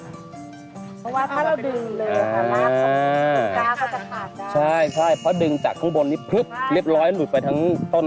ห้าหลังจากที่เรากดตรงคอผักเป็นที่เรียบร้อยแล้วเนี่ยนะคะผม